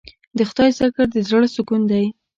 د خدای ذکر د زړه سکون دی.